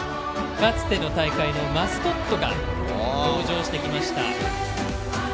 かつての大会のマスコットが登場してきました。